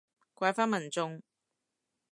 怪返民眾